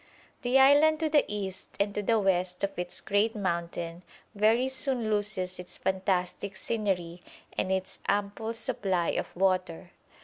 The island to the east and to the west of its great mountain very soon loses its fantastic scenery and its ample supply of water.